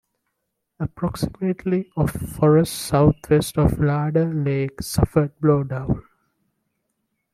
Approximately of forest southwest of Larder Lake suffered blowdown.